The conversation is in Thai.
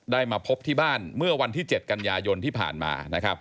มาพบที่บ้านเมื่อวันที่๗กันยายนที่ผ่านมา